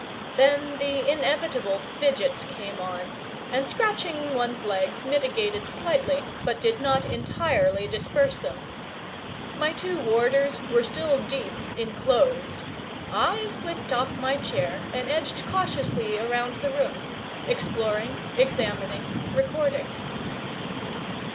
Then the inevitable fidgets came on, and scratching one's legs mitigated slightly, but did not entirely disperse them. My two warders were still deep in clothes; I slipped off my chair and edged cautiously around the room, exploring, examining, recording.